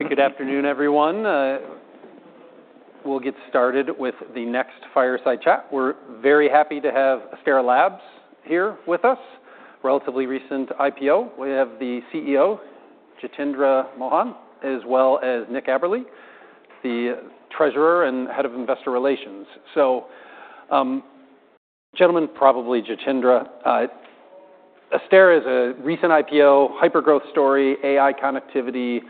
Good afternoon, everyone. We'll get started with the next fireside chat. We're very happy to have Astera Labs here with us, relatively recent IPO. We have the CEO, Jitendra Mohan, as well as Nick Aberle, the Treasurer and Head of Investor Relations. So, gentlemen, probably Jitendra, Astera is a recent IPO, hypergrowth story, AI connectivity,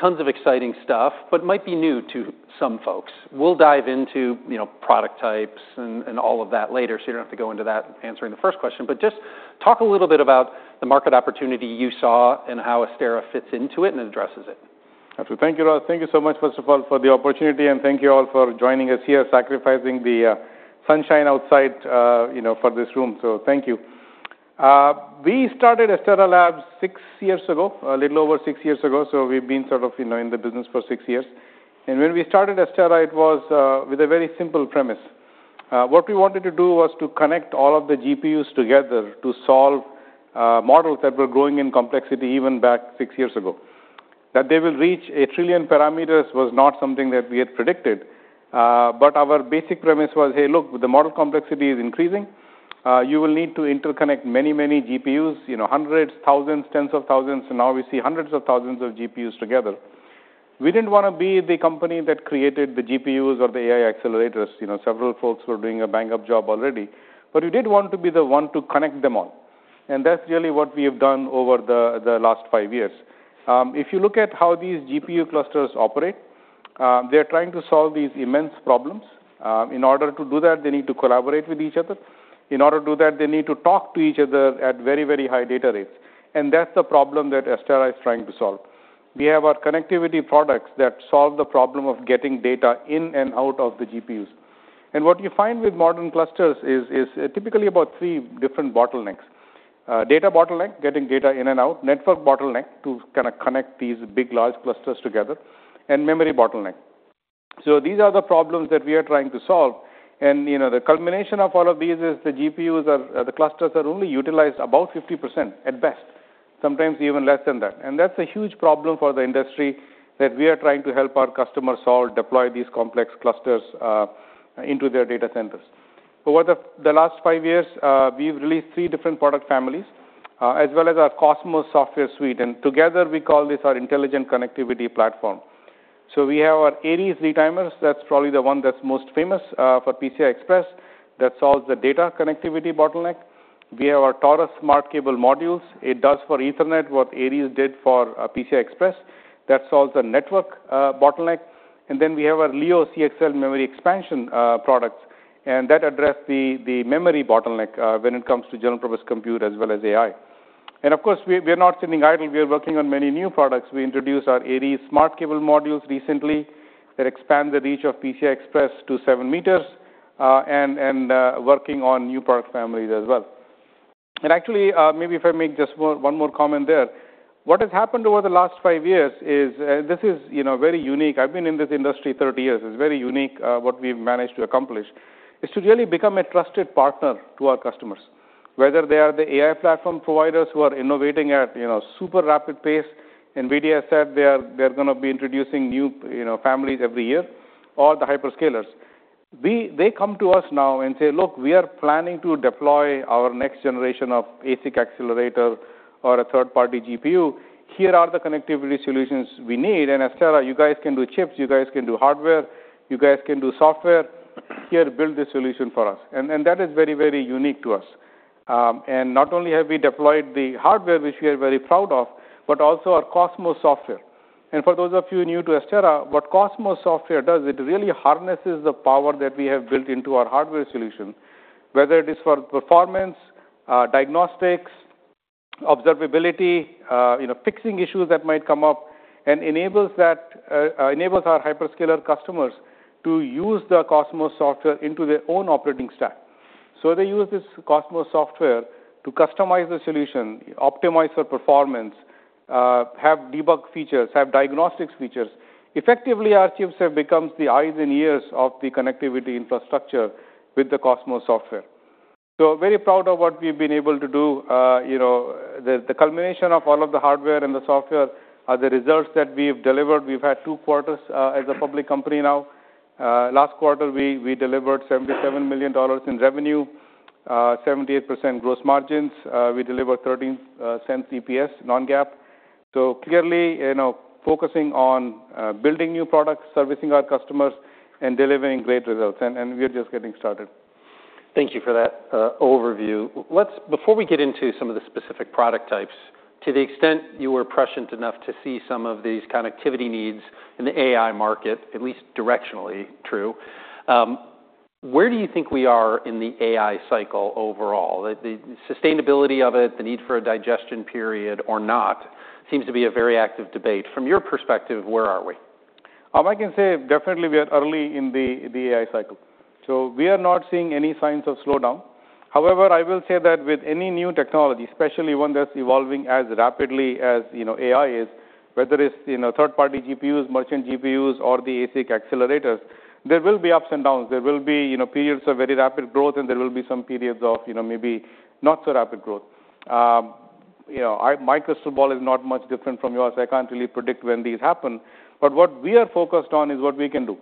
tons of exciting stuff, but might be new to some folks. We'll dive into, you know, product types and all of that later, so you don't have to go into that answering the first question. But just talk a little bit about the market opportunity you saw and how Astera fits into it and addresses it. Absolutely. Thank you, Rob. Thank you so much, first of all, for the opportunity, and thank you all for joining us here, sacrificing the sunshine outside, you know, for this room. So thank you. We started Astera Labs six years ago, a little over six years ago, so we've been sort of, you know, in the business for six years, and when we started Astera, it was with a very simple premise. What we wanted to do was to connect all of the GPUs together to solve models that were growing in complexity even back six years ago. That they will reach a trillion parameters was not something that we had predicted, but our basic premise was, "Hey, look, the model complexity is increasing. You will need to interconnect many, many GPUs, you know, hundreds, thousands, tens of thousands, and now we see hundreds of thousands of GPUs together." We didn't wanna be the company that created the GPUs or the AI accelerators. You know, several folks were doing a bang-up job already, but we did want to be the one to connect them all, and that's really what we have done over the last five years. If you look at how these GPU clusters operate, they're trying to solve these immense problems. In order to do that, they need to collaborate with each other. In order to do that, they need to talk to each other at very, very high data rates, and that's the problem that Astera is trying to solve. We have our connectivity products that solve the problem of getting data in and out of the GPUs, and what you find with modern clusters is typically about three different bottlenecks. Data bottleneck, getting data in and out, network bottleneck, to kinda connect these big, large clusters together, and memory bottleneck. These are the problems that we are trying to solve, and you know, the culmination of all of these is the GPUs are the clusters are only utilized about 50% at best, sometimes even less than that, and that's a huge problem for the industry that we are trying to help our customers solve, deploy these complex clusters into their data centers. Over the last five years, we've released three different product families, as well as our COSMOS Software Suite, and together we call this our intelligent connectivity platform. So we have our Aries retimers. That's probably the one that's most famous for PCI Express. That solves the data connectivity bottleneck. We have our Taurus smart cable modules. It does for Ethernet what Aries did for PCI Express. That solves the network bottleneck. And then we have our Leo CXL memory expansion products, and that addresses the memory bottleneck when it comes to general-purpose compute as well as AI. And of course, we are not sitting idle. We are working on many new products. We introduced our Aries smart cable modules recently that expand the reach of PCI Express to seven meters, and working on new product families as well. And actually, maybe if I make just one more comment there. What has happened over the last five years is this is, you know, very unique. I've been in this industry thirty years. It's very unique, what we've managed to accomplish is to really become a trusted partner to our customers, whether they are the AI platform providers who are innovating at, you know, super rapid pace, NVIDIA said they are, they're gonna be introducing new, you know, families every year, or the hyperscalers. They come to us now and say, "Look, we are planning to deploy our next generation of ASIC accelerator or a third-party GPU. Here are the connectivity solutions we need, and Astera, you guys can do chips, you guys can do hardware, you guys can do software. Here, build this solution for us." And that is very, very unique to us. And not only have we deployed the hardware, which we are very proud of, but also our COSMOS software. And for those of you new to Astera, what COSMOS software does, it really harnesses the power that we have built into our hardware solution, whether it is for performance, diagnostics, observability, you know, fixing issues that might come up, and enables that our hyperscaler customers to use the COSMOS software into their own operating stack. So they use this COSMOS software to customize the solution, optimize the performance, have debug features, have diagnostics features. Effectively, our chips have becomes the eyes and ears of the connectivity infrastructure with the COSMOS software. So very proud of what we've been able to do. You know, the culmination of all of the hardware and the software are the results that we've delivered. We've had two quarters as a public company now. Last quarter, we delivered $77 million in revenue, 78% gross margins. We delivered $0.13 EPS, non-GAAP, so clearly, you know, focusing on building new products, servicing our customers, and delivering great results, and we are just getting started. Thank you for that overview. Let's - before we get into some of the specific product types, to the extent you were prescient enough to see some of these connectivity needs in the AI market, at least directionally true, where do you think we are in the AI cycle overall? The sustainability of it, the need for a digestion period or not seems to be a very active debate. From your perspective, where are we? I can say definitely we are early in the AI cycle, so we are not seeing any signs of slowdown. However, I will say that with any new technology, especially one that's evolving as rapidly as, you know, AI is, whether it's, you know, third-party GPUs, merchant GPUs, or the ASIC accelerators, there will be ups and downs. There will be, you know, periods of very rapid growth, and there will be some periods of, you know, maybe not so rapid growth, my crystal ball is not much different from yours. I can't really predict when these happen, but what we are focused on is what we can do.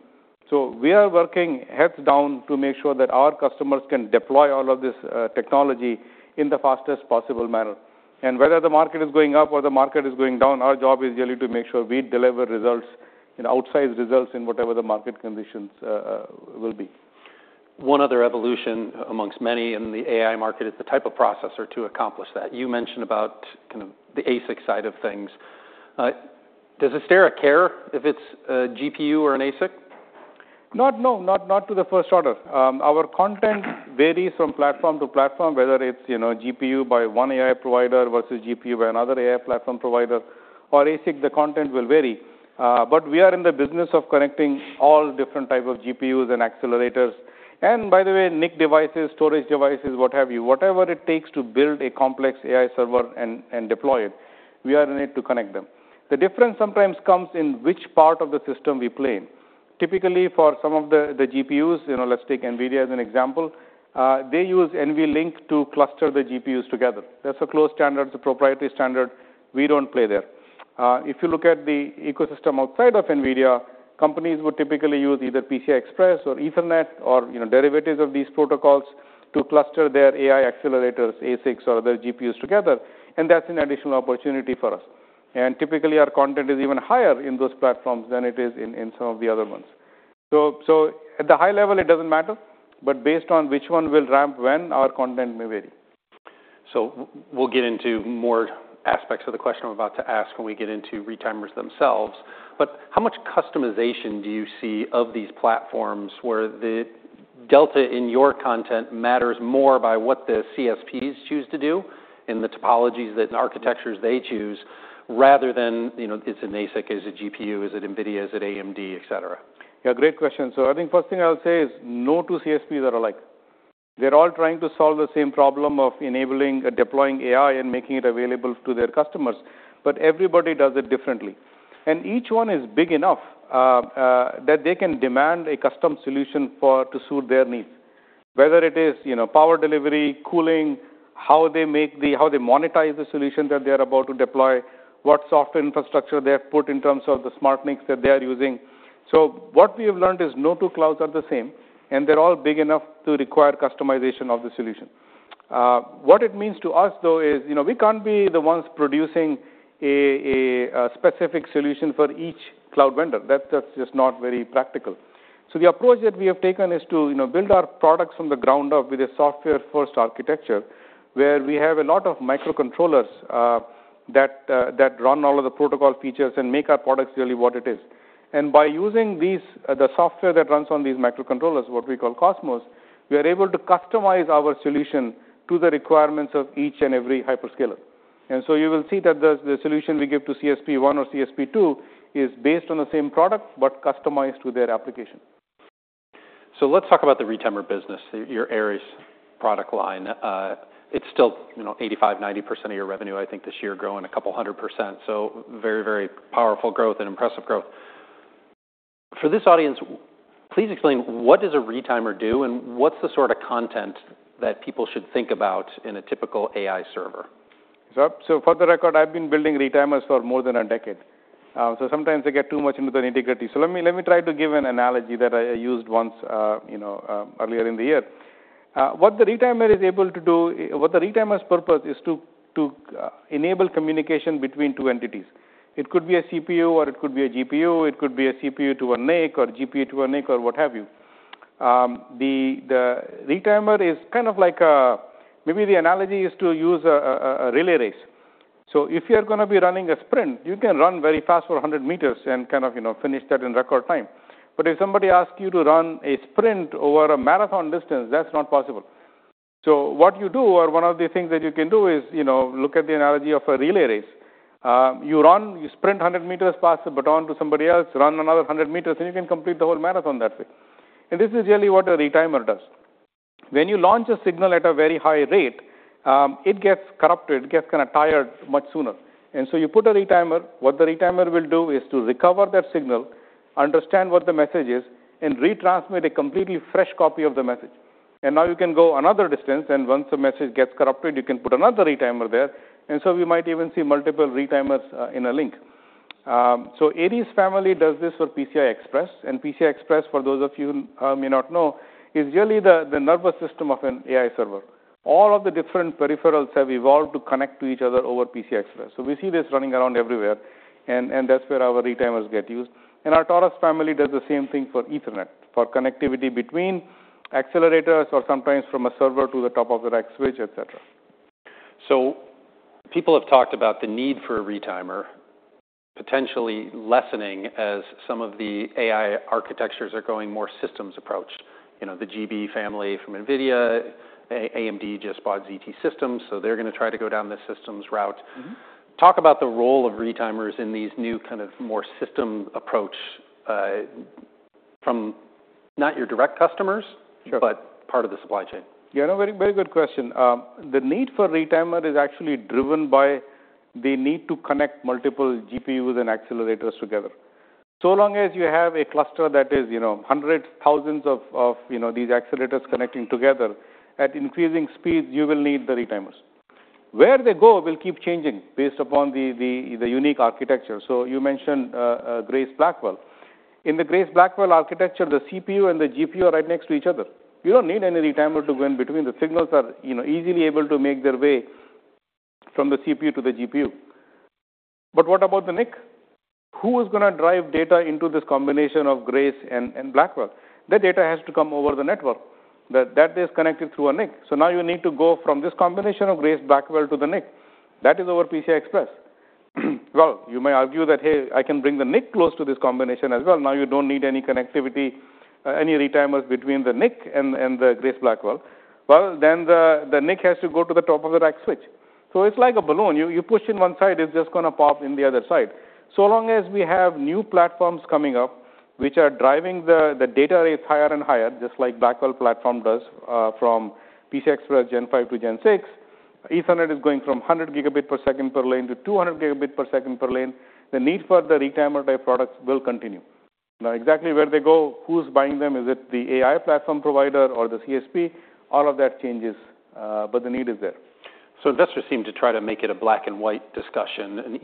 So we are working heads down to make sure that our customers can deploy all of this technology in the fastest possible manner. Whether the market is going up or the market is going down, our job is really to make sure we deliver results and outsize results in whatever the market conditions will be. One other evolution amongst many in the AI market is the type of processor to accomplish that. You mentioned about kind of the ASIC side of things. Does Astera care if it's a GPU or an ASIC? No, not to the first order. Our content varies from platform to platform, whether it's, you know, GPU by one AI provider versus GPU by another AI platform provider, or ASIC, the content will vary. But we are in the business of connecting all different type of GPUs and accelerators. And by the way, NIC devices, storage devices, what have you. Whatever it takes to build a complex AI server and deploy it, we are in it to connect them. The difference sometimes comes in which part of the system we play in. Typically, for some of the GPUs, you know, let's take NVIDIA as an example. They use NVLink to cluster the GPUs together. That's a closed standard. It's a proprietary standard. We don't play there. If you look at the ecosystem outside of NVIDIA, companies would typically use either PCI Express or Ethernet or, you know, derivatives of these protocols to cluster their AI accelerators, ASICs, or their GPUs together, and that's an additional opportunity for us, and typically, our content is even higher in those platforms than it is in some of the other ones, so at the high level, it doesn't matter, but based on which one will ramp when, our content may vary. So we'll get into more aspects of the question I'm about to ask when we get into retimers themselves, but how much customization do you see of these platforms, where the delta in your content matters more by what the CSPs choose to do and the topologies and architectures they choose, rather than, you know, it's an ASIC, is it GPU, is it NVIDIA, is it AMD, et cetera? Yeah, great question. So I think first thing I would say is no two CSPs are alike. They're all trying to solve the same problem of enabling and deploying AI and making it available to their customers, but everybody does it differently, and each one is big enough that they can demand a custom solution for to suit their needs. Whether it is, you know, power delivery, cooling, how they monetize the solution that they are about to deploy, what software infrastructure they have put in terms of the smart NICs that they are using, so what we have learned is no two clouds are the same, and they're all big enough to require customization of the solution. What it means to us, though, is, you know, we can't be the ones producing a specific solution for each cloud vendor. That's, that's just not very practical. So the approach that we have taken is to, you know, build our products from the ground up with a software-first architecture, where we have a lot of microcontrollers, that that run all of the protocol features and make our products really what it is. And by using these, the software that runs on these microcontrollers, what we call COSMOS, we are able to customize our solution to the requirements of each and every hyperscaler. And so you will see that the, the solution we give to CSP one or CSP two is based on the same product, but customized to their application. So let's talk about the retimer business, your Aries product line. It's still, you know, 85%-90% of your revenue, I think, this year, growing a couple hundred percent. So very, very powerful growth and impressive growth. For this audience, please explain what does a retimer do, and what's the sort of content that people should think about in a typical AI server? So, so for the record, I've been building retimers for more than a decade. So sometimes I get too much into the nitty-gritty. So let me, let me try to give an analogy that I, I used once, you know, earlier in the year. What the retimer is able to do, what the retimer's purpose is to, to, enable communication between two entities. It could be a CPU or it could be a GPU, it could be a CPU to a NIC or GPU to a NIC or what have you. The retimer is kind of like, maybe the analogy is to use a relay race. So if you are gonna be running a sprint, you can run very fast for a hundred meters and kind of, you know, finish that in record time. But if somebody asks you to run a sprint over a marathon distance, that's not possible. So what you do, or one of the things that you can do is, you know, look at the analogy of a relay race. You run, you sprint hundred meters, pass the baton to somebody else, run another hundred meters, and you can complete the whole marathon that way. And this is really what a retimer does. When you launch a signal at a very high rate, it gets corrupted, it gets kind of tired much sooner. And so you put a retimer. What the retimer will do is to recover that signal, understand what the message is, and retransmit a completely fresh copy of the message. And now you can go another distance, and once the message gets corrupted, you can put another retimer there. And so you might even see multiple retimers in a link. So Aries family does this for PCI Express, and PCI Express, for those of you who may not know, is really the nervous system of an AI server. All of the different peripherals have evolved to connect to each other over PCI Express. So we see this running around everywhere, and that's where our retimers get used. And our Taurus family does the same thing for Ethernet, for connectivity between accelerators or sometimes from a server to the top of the rack switch, et cetera. So people have talked about the need for a retimer potentially lessening as some of the AI architectures are going more systems approach. You know, the GB family from NVIDIA, AMD just bought ZT Systems, so they're gonna try to go down the systems route. Mm-hmm. Talk about the role of retimers in these new kind of more system approach, from not your direct customers- Sure. but part of the supply chain. Yeah, no, very, very good question. The need for retimer is actually driven by the need to connect multiple GPUs and accelerators together. So long as you have a cluster that is hundreds, thousands of, you know, these accelerators connecting together at increasing speeds, you will need the retimers. Where they go will keep changing based upon the unique architecture. So you mentioned Grace Blackwell. In the Grace Blackwell architecture, the CPU and the GPU are right next to each other. You don't need any retimer to go in between. The signals are, you know, easily able to make their way from the CPU to the GPU. But what about the NIC? Who is gonna drive data into this combination of Grace and Blackwell? The data has to come over the network, that is connected through a NIC. So now you need to go from this combination of Grace Blackwell to the NIC. That is over PCI Express. Well, you may argue that, "Hey, I can bring the NIC close to this combination as well." Now you don't need any connectivity, any retimers between the NIC and the Grace Blackwell. Well, then the NIC has to go to the top of the rack switch. So it's like a balloon. You push in one side, it's just gonna pop in the other side. So long as we have new platforms coming up, which are driving the data rates higher and higher, just like Blackwell platform does, from PCI Express Gen 5 to Gen 6, Ethernet is going from 100 Gbps per lane to 200 Gbps per lane, the need for the retimer-type products will continue. Now, exactly where they go, who's buying them, is it the AI platform provider or the CSP? All of that changes, but the need is there. So investors seem to try to make it a black-and-white discussion, an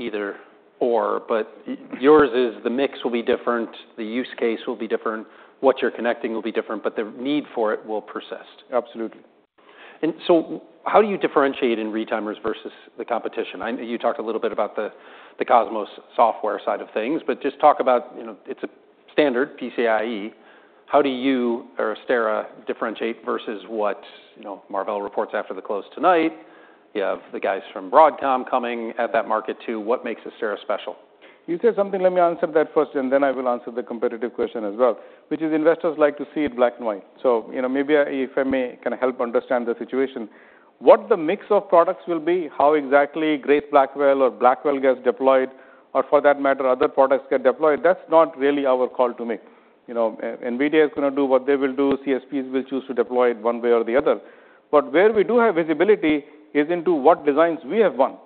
either/or, but yours is the mix will be different, the use case will be different, what you're connecting will be different, but the need for it will persist. Absolutely. And so how do you differentiate in retimers versus the competition? You talked a little bit about the COSMOS software side of things, but just talk about, you know, it's a standard PCIe. How do you or Astera differentiate versus what, you know, Marvell reports after the close tonight? You have the guys from Broadcom coming at that market, too. What makes Astera special? You said something, let me answer that first, and then I will answer the competitive question as well, which is investors like to see it black and white. So, you know, maybe, if I may, kind of help understand the situation. What the mix of products will be, how exactly Grace Blackwell or Blackwell gets deployed, or for that matter, other products get deployed, that's not really our call to make, you know? And NVIDIA is gonna do what they will do, CSPs will choose to deploy it one way or the other. But where we do have visibility is into what designs we have won,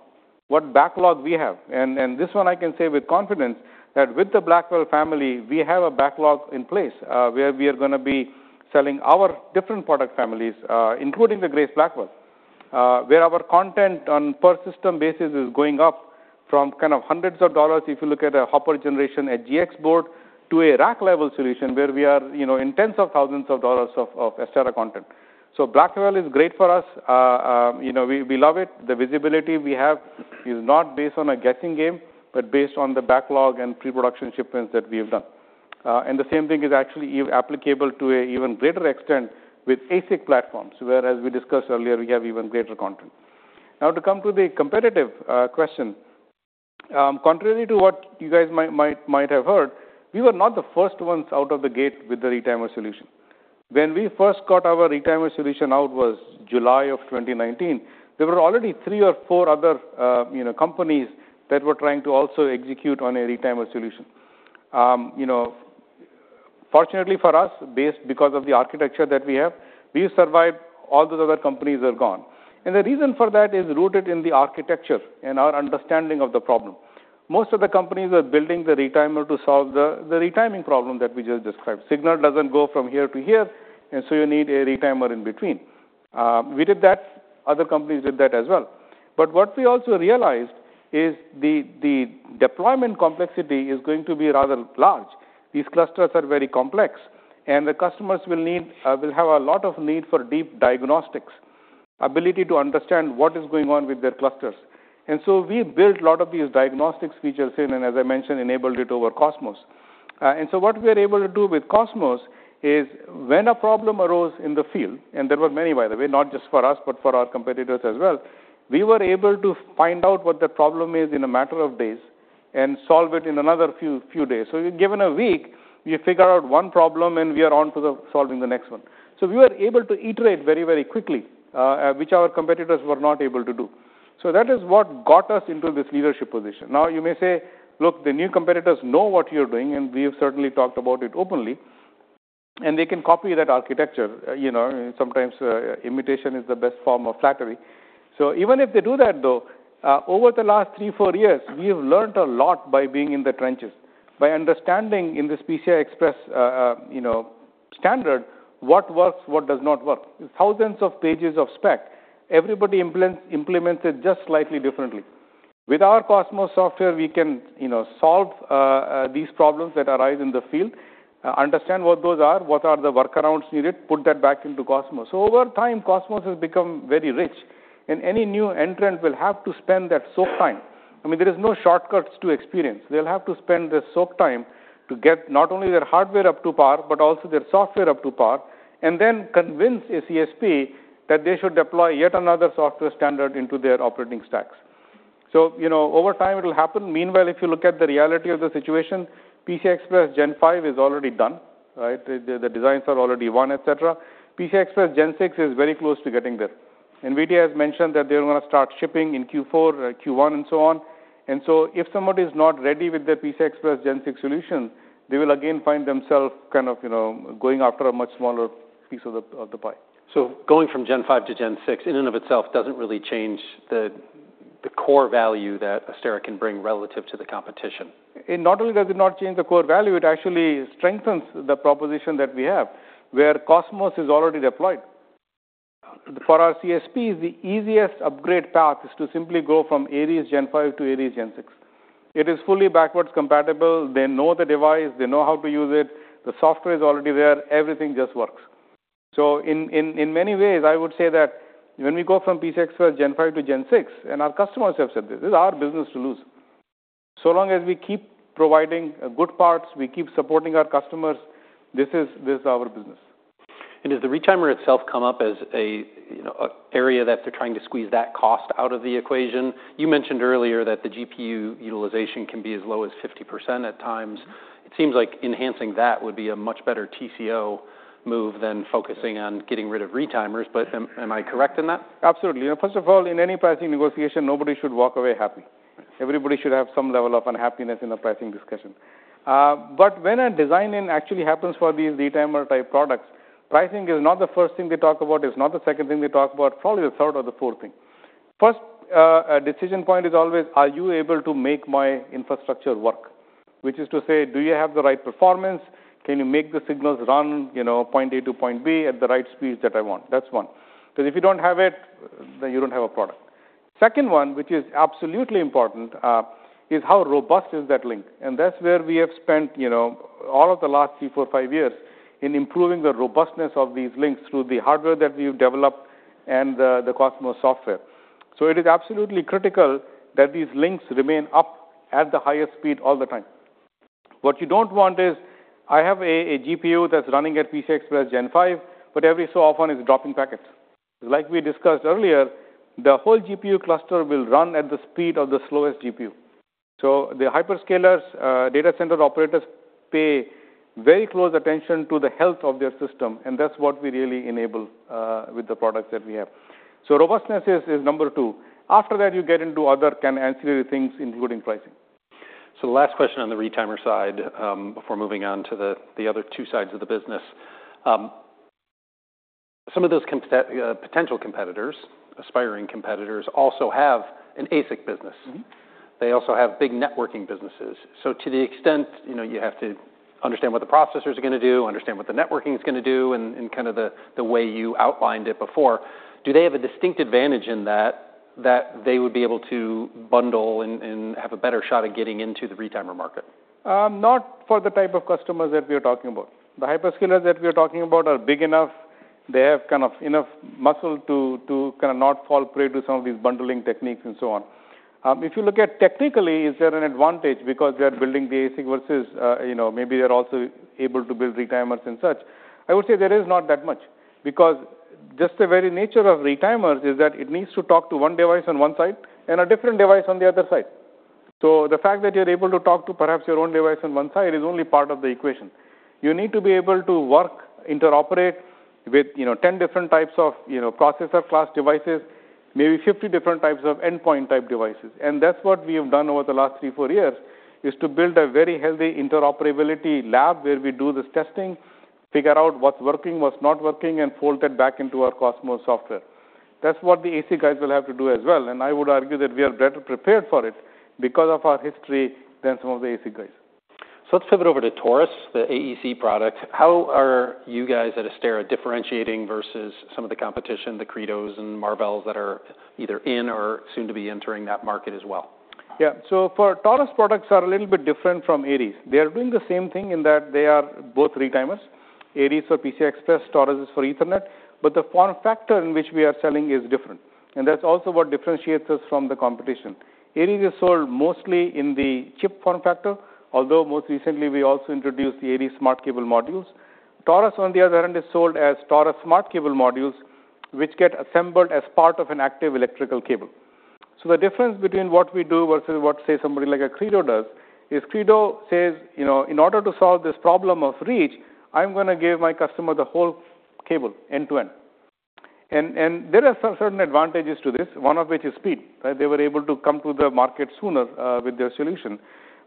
what backlog we have. And this one I can say with confidence, that with the Blackwell family, we have a backlog in place, where we are gonna be selling our different product families, including the Grace Blackwell. Where our content on per system basis is going up from kind of hundreds of dollars, if you look at a Hopper generation, a HGX board, to a rack-level solution, where we are, you know, in tens of thousands of dollars of Astera content. Blackwell is great for us. You know, we love it. The visibility we have is not based on a guessing game, but based on the backlog and pre-production shipments that we have done. And the same thing is actually applicable to even greater extent with ASIC platforms, where, as we discussed earlier, we have even greater content. Now, to come to the competitive question. Contrary to what you guys might have heard, we were not the first ones out of the gate with the retimer solution. When we first got our retimer solution out was July of 2019. There were already three or four other, you know, companies that were trying to also execute on a retimer solution. You know, fortunately for us, based because of the architecture that we have, we survived, all the other companies are gone. And the reason for that is rooted in the architecture and our understanding of the problem. Most of the companies are building the retimer to solve the retiming problem that we just described. Signal doesn't go from here to here, and so you need a retimer in between. We did that, other companies did that as well. But what we also realized is the deployment complexity is going to be rather large. These clusters are very complex, and the customers will have a lot of need for deep diagnostics, ability to understand what is going on with their clusters. We built a lot of these diagnostics features in, and as I mentioned, enabled it over COSMOS. What we're able to do with COSMOS is when a problem arose in the field, and there were many, by the way, not just for us, but for our competitors as well, we were able to find out what the problem is in a matter of days and solve it in another few days. Given a week, we figure out one problem, and we are on to the solving the next one. We were able to iterate very, very quickly, which our competitors were not able to do. So that is what got us into this leadership position. Now, you may say, "Look, the new competitors know what you're doing," and we have certainly talked about it openly, and they can copy that architecture. You know, sometimes, imitation is the best form of flattery. So even if they do that, though, over the last three, four years, we have learned a lot by being in the trenches, by understanding in this PCI Express, you know, standard, what works, what does not work. Thousands of pages of spec, everybody implemented just slightly differently. With our COSMOS software, we can, you know, solve these problems that arise in the field, understand what those are, what are the workarounds needed, put that back into COSMOS. So over time, COSMOS has become very rich, and any new entrant will have to spend that soak time. I mean, there is no shortcuts to experience. They'll have to spend the soak time to get not only their hardware up to par, but also their software up to par, and then convince a CSP that they should deploy yet another software standard into their operating stacks. So, you know, over time, it will happen. Meanwhile, if you look at the reality of the situation, PCI Express Gen 5 is already done, right? The designs are already won, et cetera. PCI Express Gen 6 is very close to getting there. NVIDIA has mentioned that they're gonna start shipping in Q4, Q1, and so on. If somebody is not ready with their PCI Express Gen 6 solution, they will again find themselves kind of, you know, going after a much smaller piece of the pie. So going from Gen 5 to Gen 6, in and of itself, doesn't really change the core value that Astera can bring relative to the competition? It not only does it not change the core value, it actually strengthens the proposition that we have. Where COSMOS is already deployed, for our CSPs, the easiest upgrade path is to simply go from Aries Gen 5 to Aries Gen 6. It is fully backward compatible. They know the device, they know how to use it, the software is already there, everything just works. So in many ways, I would say that when we go from PCIe Gen Five to Gen Six, and our customers have said this, this is our business to lose. So long as we keep providing good parts, we keep supporting our customers, this is our business. Does the retimer itself come up as a, you know, area that they're trying to squeeze that cost out of the equation? You mentioned earlier that the GPU utilization can be as low as 50% at times. It seems like enhancing that would be a much better TCO move than focusing on getting rid of retimers, but am I correct in that? Absolutely. And first of all, in any pricing negotiation, nobody should walk away happy. Everybody should have some level of unhappiness in the pricing discussion. But when a design in actually happens for these retimer-type products, pricing is not the first thing we talk about, it's not the second thing we talk about, probably the third or the fourth thing. First, decision point is always: Are you able to make my infrastructure work? Which is to say, do you have the right performance? Can you make the signals run, you know, point A to point B at the right speeds that I want? That's one. Because if you don't have it, then you don't have a product. Second one, which is absolutely important, is how robust is that link? That's where we have spent, you know, all of the last three, four, five years in improving the robustness of these links through the hardware that we've developed and the COSMOS software. It is absolutely critical that these links remain up at the highest speed all the time. What you don't want is, I have a GPU that's running at PCIe Gen 5, but every so often it's dropping packets. Like we discussed earlier, the whole GPU cluster will run at the speed of the slowest GPU. The hyperscalers, data center operators pay very close attention to the health of their system, and that's what we really enable with the products that we have. Robustness is number two. After that, you get into other kind of ancillary things, including pricing. So the last question on the retimer side, before moving on to the other two sides of the business. Some of those potential competitors, aspiring competitors, also have an ASIC business. Mm-hmm. They also have big networking businesses. So to the extent, you know, you have to understand what the processors are gonna do, understand what the networking is gonna do, and kind of the way you outlined it before, do they have a distinct advantage in that they would be able to bundle and have a better shot at getting into the retimer market? Not for the type of customers that we are talking about. The hyperscalers that we are talking about are big enough. They have kind of enough muscle to kind of not fall prey to some of these bundling techniques and so on. If you look at technically, is there an advantage because they are building the ASIC versus, you know, maybe they're also able to build retimers and such? I would say there is not that much, because just the very nature of retimers is that it needs to talk to one device on one side and a different device on the other side. So the fact that you're able to talk to perhaps your own device on one side is only part of the equation. You need to be able to work, interoperate with, you know, ten different types of, you know, processor class devices, maybe fifty different types of endpoint type devices. And that's what we have done over the last three, four years, is to build a very healthy interoperability lab where we do this testing, figure out what's working, what's not working, and fold that back into our COSMOS software. That's what the ASIC guys will have to do as well, and I would argue that we are better prepared for it because of our history than some of the ASIC guys. Let's pivot over to Taurus, the AEC product. How are you guys at Astera differentiating versus some of the competition, the Credo and Marvell that are either in or soon to be entering that market as well? Yeah. So for Taurus products are a little bit different from Aries. They are doing the same thing in that they are both retimers. Aries are PCIe. Taurus is for Ethernet, but the form factor in which we are selling is different, and that's also what differentiates us from the competition. Aries is sold mostly in the chip form factor, although most recently we also introduced the Aries Smart Cable Modules. Taurus, on the other hand, is sold as Taurus Smart Cable Modules, which get assembled as part of an Active Electrical Cable. So the difference between what we do versus what, say, somebody like a Credo does, is Credo says, you know, "In order to solve this problem of reach, I'm gonna give my customer the whole cable end to end." And there are some certain advantages to this, one of which is speed, right? They were able to come to the market sooner with their solution.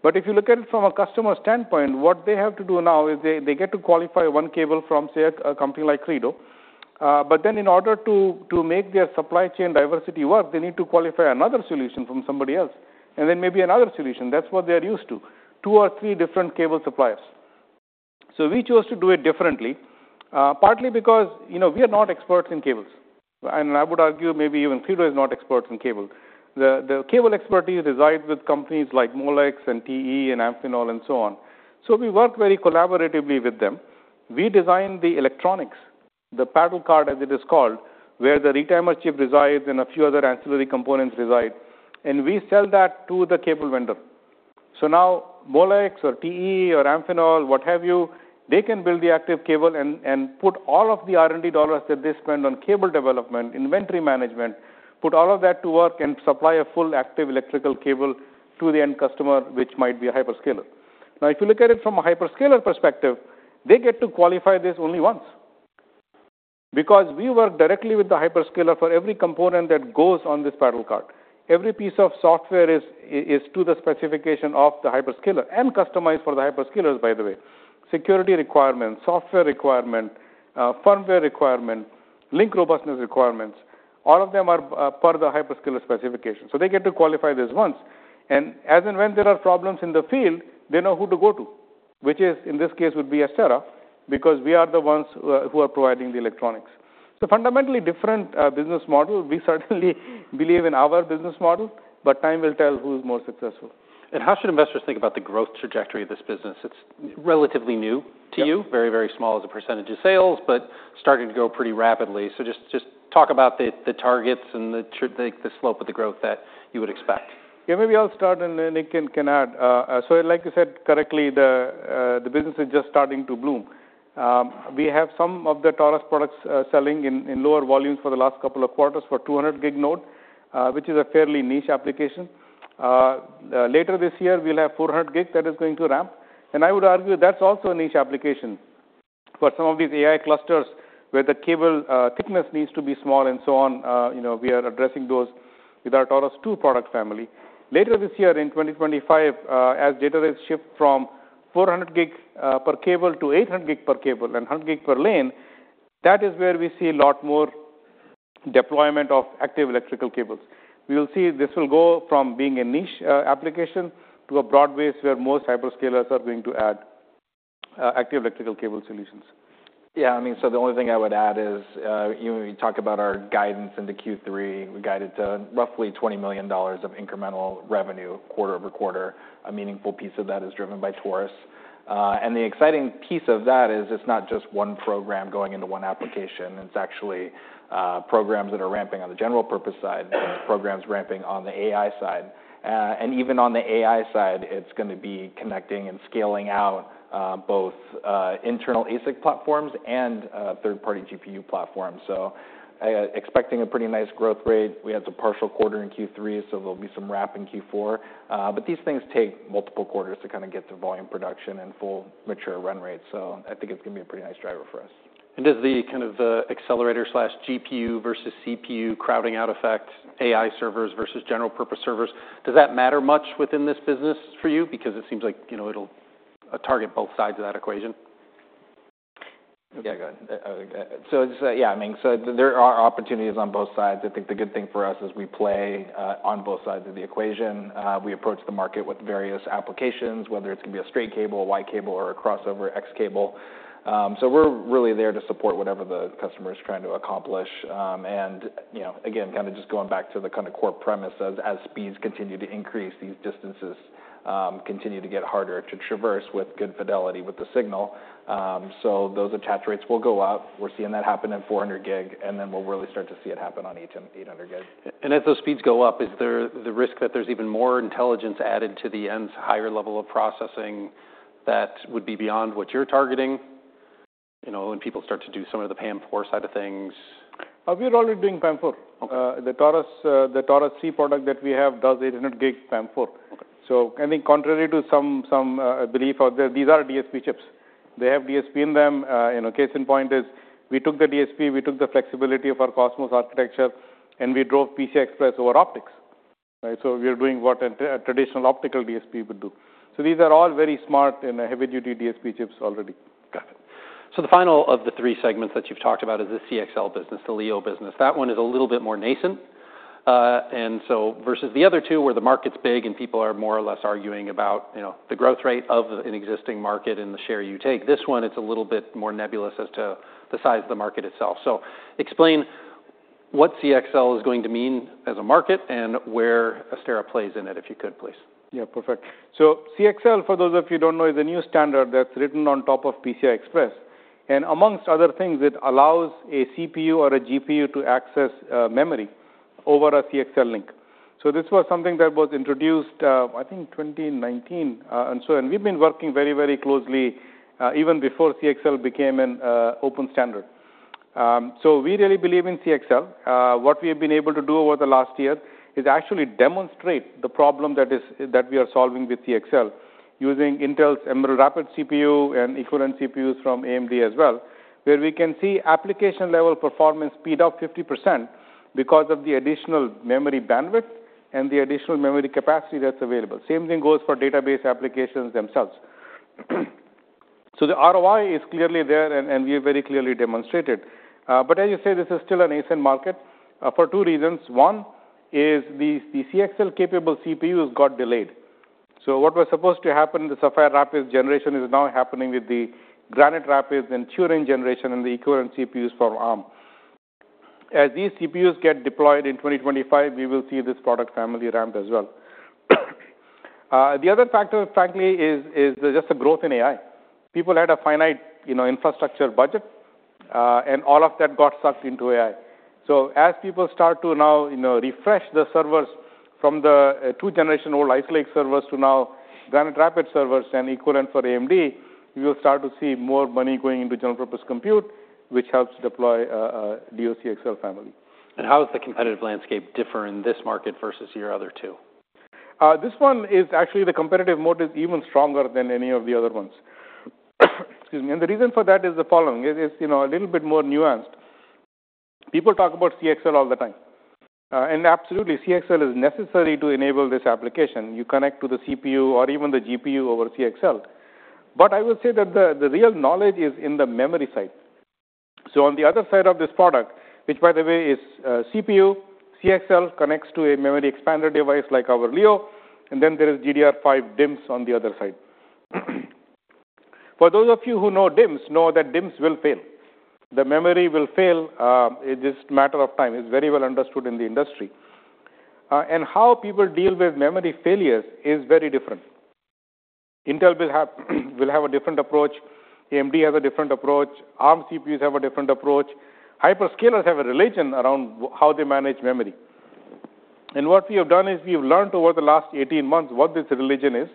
But if you look at it from a customer standpoint, what they have to do now is they get to qualify one cable from, say, a company like Credo, but then in order to make their supply chain diversity work, they need to qualify another solution from somebody else and then maybe another solution. That's what they're used to, two or three different cable suppliers. So we chose to do it differently, partly because, you know, we are not experts in cables, and I would argue maybe even Credo is not experts in cable. The cable expertise resides with companies like Molex and TE and Amphenol and so on. So we work very collaboratively with them. We design the electronics, the paddle card, as it is called, where the retimer chip resides and a few other ancillary components reside, and we sell that to the cable vendor. So now Molex or TE or Amphenol, what have you, they can build the active cable and put all of the R&D dollars that they spend on cable development, inventory management, put all of that to work and supply a full Active Electrical Cable to the end customer, which might be a hyperscaler. Now, if you look at it from a hyperscaler perspective, they get to qualify this only once. Because we work directly with the hyperscaler for every component that goes on this paddle card. Every piece of software is to the specification of the hyperscaler and customized for the hyperscalers, by the way. Security requirements, software requirement, firmware requirement, link robustness requirements, all of them are part of the hyperscaler specifications. So they get to qualify this once, and as and when there are problems in the field, they know who to go to, which is, in this case, would be Astera, because we are the ones who are providing the electronics. So fundamentally different business model. We certainly believe in our business model, but time will tell who is more successful. How should investors think about the growth trajectory of this business? It's relatively new to you very, very small as a percentage of sales, but starting to grow pretty rapidly. So just talk about the targets and the slope of the growth that you would expect. Maybe I'll start and then Nick can add. So like you said correctly, the business is just starting to bloom. We have some of the Taurus products selling in lower volumes for the last couple of quarters for 200G node, which is a fairly niche application. Later this year, we'll have 400 gig that is going to ramp, and I would argue that's also a niche application. For some of these AI clusters, where the cable thickness needs to be small and so on, you know, we are addressing those with our Taurus 2 product family. Later this year, in 2025, as data rates shift from 400G per cable to 800G per cable and 100G per lane, that is where we see a lot more deployment of Active Electrical Cables. We will see this will go from being a niche application to a broad base, where most hyperscalers are going to add Active Electrical Cable solutions. Yeah, I mean, so the only thing I would add is, you know, when you talk about our guidance into Q3, we guided to roughly $20 million of incremental revenue quarter over quarter. A meaningful piece of that is driven by Taurus. And the exciting piece of that is it's not just one program going into one application. It's actually, programs that are ramping on the general purpose side, and programs ramping on the AI side. And even on the AI side, it's going to be connecting and scaling out, both, internal ASIC platforms and, third-party GPU platforms. So I, expecting a pretty nice growth rate. We had the partial quarter in Q3, so there'll be some ramp in Q4. But these things take multiple quarters to kinda get to volume production and full mature run rate, so I think it's going to be a pretty nice driver for us. Does the kind of accelerator/GPU versus CPU crowding out effect, AI servers versus general purpose servers, does that matter much within this business for you? Because it seems like, you know, it'll target both sides of that equation. Okay, go ahead. So, yeah, I mean, so there are opportunities on both sides. I think the good thing for us is we play on both sides of the equation. We approach the market with various applications, whether it's going to be a straight cable, a Y cable, or a crossover X cable. So we're really there to support whatever the customer is trying to accomplish. And, you know, again, kinda just going back to the kind of core premise as speeds continue to increase, these distances continue to get harder to traverse with good fidelity with the signal. So those attach rates will go up. We're seeing that happen in 400G, and then we'll really start to see it happen on 800G. As those speeds go up, is there the risk that there's even more intelligence added to the ends higher level of processing that would be beyond what you're targeting? You know, when people start to do some of the PAM4 side of things. We are already doing PAM4. The Taurus product that we have does 800G PAM4. So, I mean, contrary to some belief out there, these are DSP chips. They have DSP in them. You know, case in point is, we took the DSP, we took the flexibility of our COSMOS architecture, and we drove PCI Express over optics. Right, so we are doing what a traditional optical DSP would do. So these are all very smart and heavy-duty DSP chips already. Got it, so the final of the three segments that you've talked about is the CXL business, the Leo business. That one is a little bit more nascent, and so versus the other two, where the market's big and people are more or less arguing about, you know, the growth rate of an existing market and the share you take, this one, it's a little bit more nebulous as to the size of the market itself. So explain what CXL is going to mean as a market and where Astera plays in it, if you could, please. Yeah, perfect. So CXL, for those of you who don't know, is a new standard that's written on top of PCI Express, and among other things, it allows a CPU or a GPU to access memory over a CXL link. So this was something that was introduced in 2019, and we've been working very, very closely even before CXL became an open standard, so we really believe in CXL. What we have been able to do over the last year is actually demonstrate the problem that we are solving with CXL, using Intel's Emerald Rapids CPU and equivalent CPUs from AMD as well, where we can see application-level performance speed up 50% because of the additional memory bandwidth and the additional memory capacity that's available. Same thing goes for database applications themselves. So the ROI is clearly there, and we have very clearly demonstrated. But as you say, this is still a nascent market, for two reasons. One is the CXL-capable CPUs got delayed. So what was supposed to happen, the Sapphire Rapids generation, is now happening with the Granite Rapids and Turin generation and the equivalent CPUs from ARM. As these CPUs get deployed in 2025, we will see this product family ramped as well. The other factor, frankly, is just the growth in AI. People had a finite, you know, infrastructure budget, and all of that got sucked into AI. So as people start to now, you know, refresh the servers from the two-generation-old Ice Lake servers to now Granite Rapids servers and equivalent for AMD, you'll start to see more money going into general-purpose compute, which helps deploy the CXL family. How does the competitive landscape differ in this market versus your other two? Actually, the competitive mode is even stronger than any of the other ones. Excuse me, and the reason for that is the following. It is, you know, a little bit more nuanced. People talk about CXL all the time, and absolutely, CXL is necessary to enable this application. You connect to the CPU or even the GPU over CXL. But I would say that the real knowledge is in the memory side. So on the other side of this product, which by the way, is CPU, CXL connects to a memory expander device like our Leo, and then there is DDR5 DIMMs on the other side. For those of you who know DIMMs, know that DIMMs will fail. The memory will fail, it is matter of time. It's very well understood in the industry. And how people deal with memory failures is very different. Intel will have a different approach, AMD has a different approach, ARM CPUs have a different approach. Hyperscalers have a religion around how they manage memory. And what we have done is we've learned over the last eighteen months what this religion is,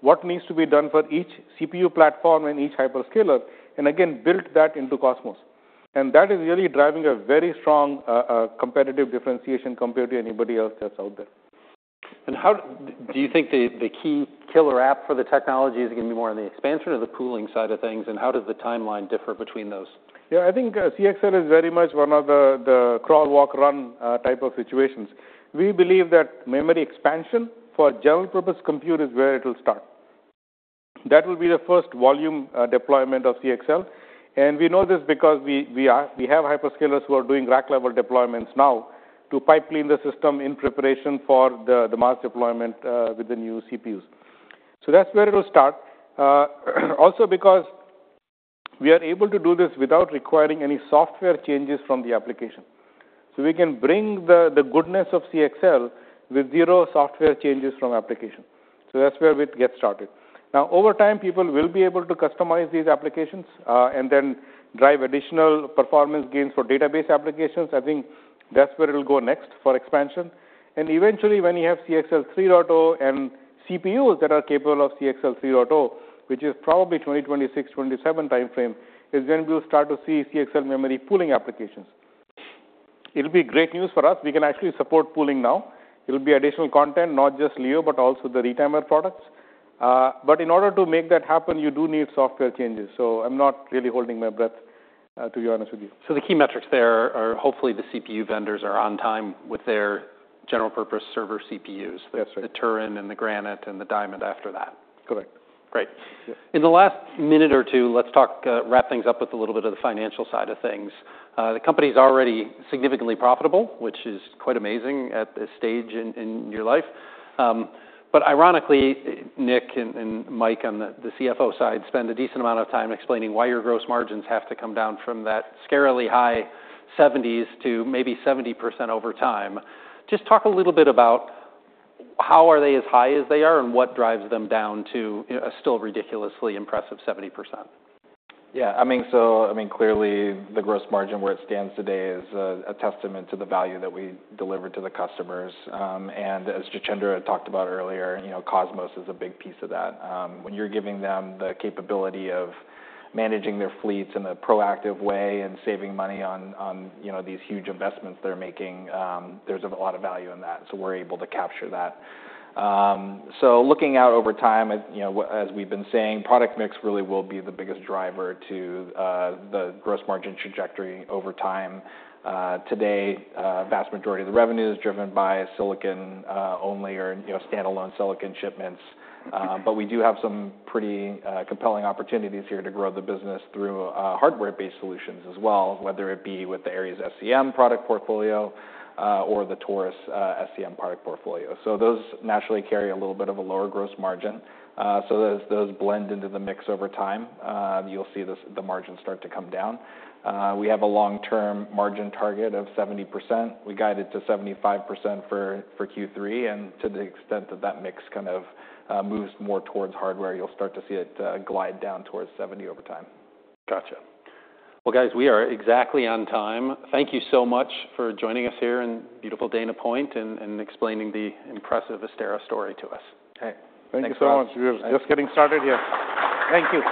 what needs to be done for each CPU platform and each hyperscaler, and again, built that into COSMOS. And that is really driving a very strong competitive differentiation compared to anybody else that's out there. And how do you think the key killer app for the technology is gonna be more on the expansion or the pooling side of things? And how does the timeline differ between those? Yeah, I think, CXL is very much one of the crawl, walk, run type of situations. We believe that memory expansion for general purpose compute is where it'll start. That will be the first volume deployment of CXL, and we know this because we have hyperscalers who are doing rack-level deployments now to pipeline the system in preparation for the mass deployment with the new CPUs. So that's where it'll start. Also because we are able to do this without requiring any software changes from the application. So we can bring the goodness of CXL with zero software changes from application. So that's where we'd get started. Now, over time, people will be able to customize these applications and then drive additional performance gains for database applications. I think that's where it'll go next for expansion. Eventually, when you have CXL 3.0 and CPUs that are capable of CXL 3.0, which is probably 2026, 2027 timeframe, is when we'll start to see CXL memory pooling applications. It'll be great news for us. We can actually support pooling now. It'll be additional content, not just Leo, but also the retimer products. But in order to make that happen, you do need software changes, so I'm not really holding my breath, to be honest with you. So the key metrics there are hopefully the CPU vendors are on time with their general purpose server CPUs. That's right. The Turin and the Granite and the Diamond after that. Correct. Great. Yeah. In the last minute or two, let's talk, wrap things up with a little bit of the financial side of things. The company is already significantly profitable, which is quite amazing at this stage in your life, but ironically, Nick and Mike, on the CFO side, spend a decent amount of time explaining why your gross margins have to come down from that scarily high 70s to maybe 70% over time. Just talk a little bit about how are they as high as they are, and what drives them down to, you know, a still ridiculously impressive 70%? Yeah, I mean, so I mean, clearly, the gross margin, where it stands today, is a testament to the value that we deliver to the customers, and as Jitendra had talked about earlier, you know, COSMOS is a big piece of that. When you're giving them the capability of managing their fleets in a proactive way and saving money on, you know, these huge investments they're making, there's a lot of value in that, so we're able to capture that. So looking out over time, as, you know, as we've been saying, product mix really will be the biggest driver to the gross margin trajectory over time. Today, a vast majority of the revenue is driven by silicon only or, you know, standalone silicon shipments. But we do have some pretty compelling opportunities here to grow the business through hardware-based solutions as well, whether it be with the Aries SCM product portfolio or the Taurus SCM product portfolio. So those naturally carry a little bit of a lower gross margin. So as those blend into the mix over time, you'll see the margins start to come down. We have a long-term margin target of 70%. We guided to 75% for Q3, and to the extent that that mix kind of moves more towards hardware, you'll start to see it glide down towards 70% over time. Gotcha. Guys, we are exactly on time. Thank you so much for joining us here in beautiful Dana Point and explaining the impressive Astera story to us. Okay. Thank you so much. We are just getting started here. Thank you.